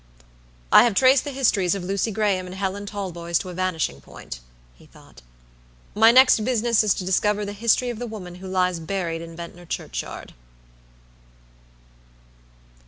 "I have traced the histories of Lucy Graham and Helen Talboys to a vanishing point," he thought; "my next business is to discover the history of the woman who lies buried in Ventnor churchyard."